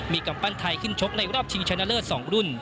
มีกำปั้นไทยขึ้นชกในรอบชิงชนะเลิศ๒รุ่น